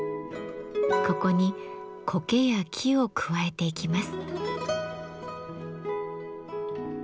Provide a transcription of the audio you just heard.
ここにコケや木を加えていきます。